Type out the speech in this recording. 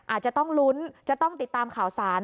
อาจจะต้องลุ้นจะต้องติดตามข่าวสาร